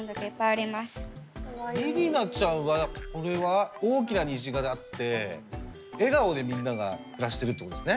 りりなちゃんはこれは大きな虹があって笑顔でみんなが暮らしてるってことですね。